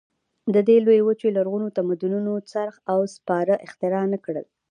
د دې لویې وچې لرغونو تمدنونو څرخ او سپاره اختراع نه کړل.